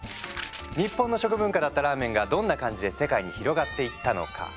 日本の食文化だったラーメンがどんな感じで世界に広がっていったのか？